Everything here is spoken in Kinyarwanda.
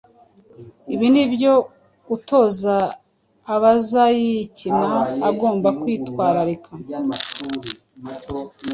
Ibi ni byo utoza abazayikina agomba kwitwararika